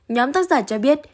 nhóm tác giả cho biết